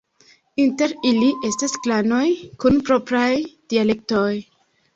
Inter ili estas klanoj kun propraj dialektoj.